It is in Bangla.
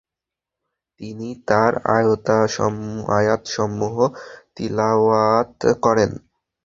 তিনি তার আয়াতসমূহ তিলাওয়াত করেন।